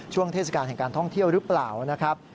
เทศกาลแห่งการท่องเที่ยวหรือเปล่านะครับ